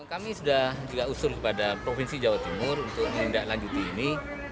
kami sudah juga usur kepada provinsi jawa timur untuk mengundak lanjuti ini